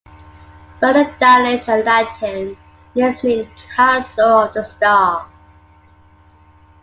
Both the Danish and Latin names mean "castle of the stars".